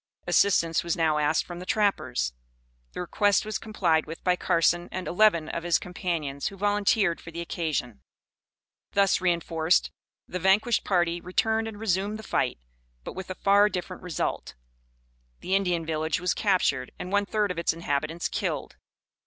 Assistance was now asked from the trappers. The request was complied with by Carson and eleven of his companions, who volunteered for the occasion. Thus reinforced, the vanquished party returned and resumed the fight, but with a far different result. The Indian village was captured and one third of its inhabitants killed.